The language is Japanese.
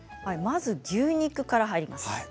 まず牛肉から入ります。